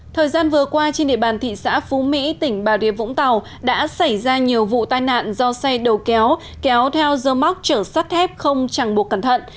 thời gian vừa qua trên địa bàn thị xã phú mỹ tỉnh bà rịa vũng tàu đã xảy ra nhiều vụ tai nạn do xe đầu kéo kéo theo dơ móc trở sắt thép không chẳng buộc cẩn thận